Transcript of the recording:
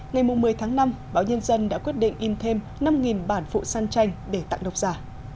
ngày một mươi tháng năm báo nhân dân đã quyết định in thêm năm bản phụ sàn tranh để tặng độc giả